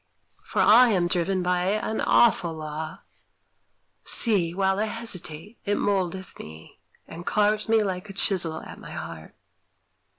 For I am driven by an awful Law. See! while I hesitate, it mouldeth me, And carves me like a chisel at my heart.